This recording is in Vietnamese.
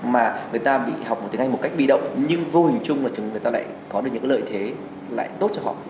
mà người ta bị học một tiếng anh một cách bi động nhưng vô hình chung là người ta lại có được những lợi thế lại tốt cho họ